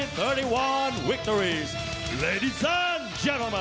สวัสดีครับสวัสดีครับ